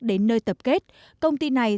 đến nơi tập kết công ty này